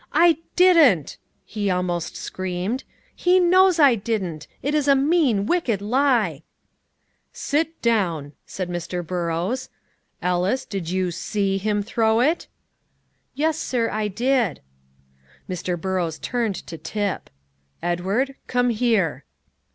"I didn't!" he almost screamed. "He knows I didn't! It is a mean, wicked lie!" "Sit down," said Mr. Burrows. "Ellis, did you see him throw it?" "Yes, sir, I did." Mr. Burrows turned to Tip. "Edward, come here."